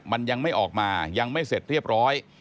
มันยังไม่ออกมายังไม่เสร็จเรียบร้อย